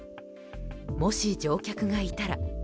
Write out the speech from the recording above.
もし乗客がいたら。